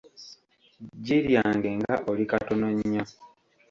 Ggi lyange nga oli katono nnyo.